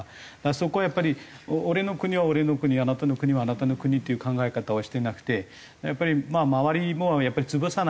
そこをやっぱり俺の国は俺の国あなたの国はあなたの国っていう考え方はしてなくてやっぱり周りも潰さないで。